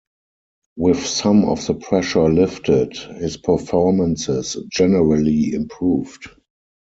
With some of the pressure lifted, his performances generally improved.